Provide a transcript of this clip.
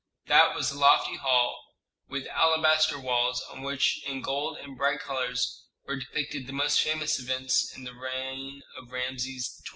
That was a lofty hall with alabaster walls on which in gold and bright colors were depicted the most famous events in the reign of Rameses XII.